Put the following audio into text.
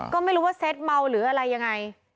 ก็ไม่รู้ว่าเซตเมาหรืออะไรยังไง